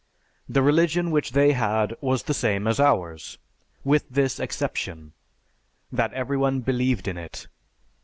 The religion which they had was the same as ours, with this exception, that everyone believed in it.